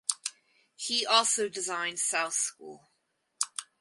He also designed South School.